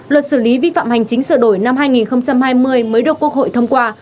luật xử lý vi phạm hành chính sửa đổi năm hai nghìn hai mươi mới được quốc hội thông qua